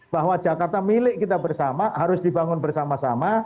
bahwa jakarta milik kita bersama harus dibangun bersama sama